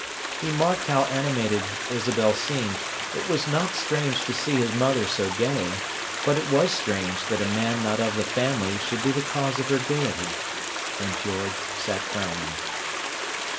He marked how animated Isabel seemed; it was not strange to see his mother so gay, but it was strange that a man not of the family should be the cause of her gaiety. And George sat frowning.